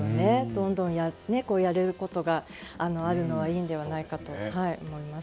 どんどんやれることがあるのはいいのではないかと思います。